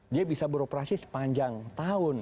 dia bisa beroperasi sepanjang tahun